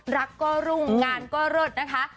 รักก็รุ่งงานก็เลิศนะคะ